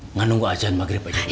nggak nunggu ajan maghrib aja